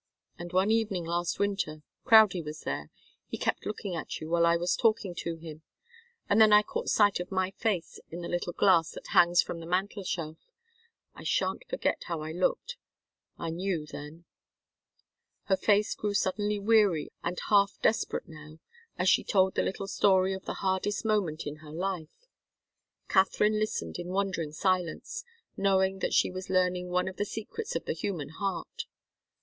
And one evening last winter Crowdie was there he kept looking at you while I was talking to him, and then I caught sight of my face in the little glass that hangs from the mantel shelf. I shan't forget how I looked. I knew then." Her face grew suddenly weary and half desperate now, as she told the little story of the hardest moment in her life. Katharine listened in wondering silence, knowing that she was learning one of the secrets of the human heart. Mrs.